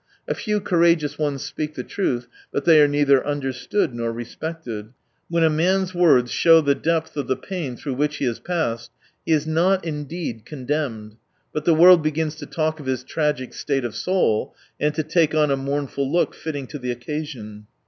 A few courageous ones speak the truth — but they are neither understood nor respected. When a man's words show the depth of the pain through which he has passed, he is not, indeed, condemned, but the world begins to talk of his tragic state of sdul, and to take on a mournful look fitting to the occasion.